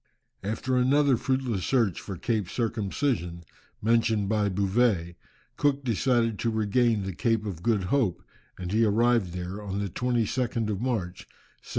After another fruitless search for Cape Circumcision, mentioned by Bouvet, Cook decided to regain the Cape of Good Hope, and he arrived there on the 22nd of March, 1775.